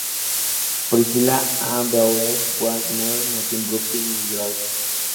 Priscilla Ann Beaulieu Wagner nació en Brooklyn, Nueva York.